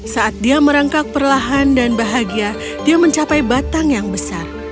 saat dia merangkak perlahan dan bahagia dia mencapai batang yang besar